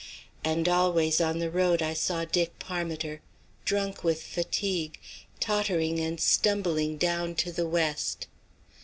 And always on the road I saw Dick Parmiter, drunk with fatigue, tottering and stumbling down to the West.